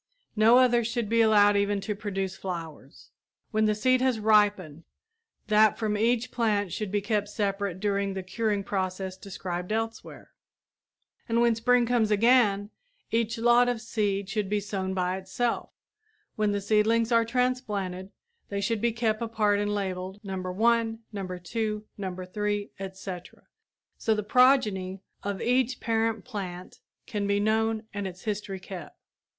No others should be allowed even to produce flowers. When the seed has ripened, that from each plant should be kept separate during the curing process described elsewhere. And when spring comes again, each lot of seed should be sown by itself. When the seedlings are transplanted, they should be kept apart and labeled No. 1, No. 2, No. 3, etc., so the progeny of each parent plant can be known and its history kept.